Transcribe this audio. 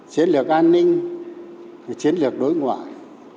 chiến lược an ninh chiến lược đối ngoại